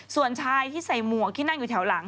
ส่วนชายที่ใส่หมวกที่นั่งอยู่แถวหลัง